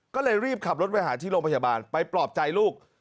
ก็เลยรีบขับรถไปหาที่โรงพยาบาลไปปลอบใจลูก